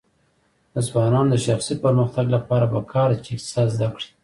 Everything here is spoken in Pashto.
د ځوانانو د شخصي پرمختګ لپاره پکار ده چې اقتصاد زده کړي.